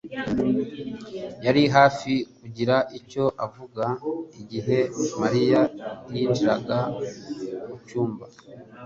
yari hafi kugira icyo avuga igihe Mariya yinjiraga mucyumba.